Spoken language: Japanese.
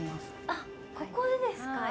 あここでですか？